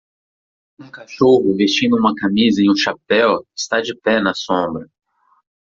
Um cachorro vestindo uma camisa e um chapéu está de pé na sombra.